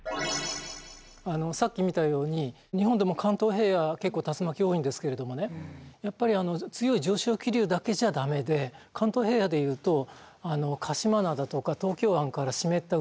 さっき見たように日本でも関東平野結構竜巻が多いんですけれどもねやっぱり強い上昇気流だけじゃ駄目で関東平野で言うと鹿島灘とか東京湾から湿った海風が入ってくる。